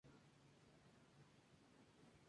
Volvió a lavar ropa en las orillas del río Guadalajara.